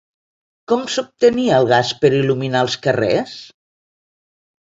Com s'obtenia el gas per il·luminar els carrers?